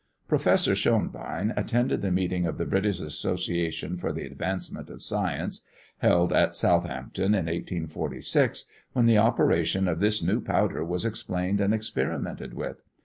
Professor Schonbein attended the meeting of the British Association for the Advancement of Science, held at Southampton, in 1846, when the operation of this new power was explained and experimented with.